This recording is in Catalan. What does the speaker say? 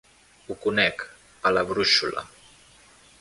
Ho conec, a la brúixola.